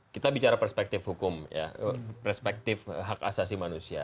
kita bicara perspektif hukum ya perspektif hak asasi manusia